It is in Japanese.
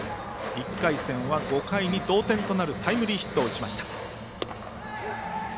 １回戦は５回に同点となるタイムリーヒットを打ちました。